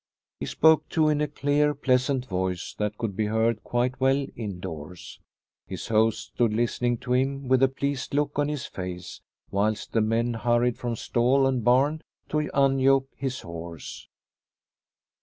He spoke too in a clear, pleasant voice that could be heard quite well indoors. His host stood listening to him with a pleased look on his face, whilst the men hurried from stall and barn to unyoke his horse.